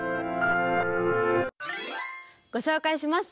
ご紹介します。